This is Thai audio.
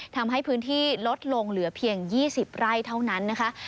ทำให้พื้นที่ลดลงเหลือเพียง๒๐ไร่เท่านั้นนะคะ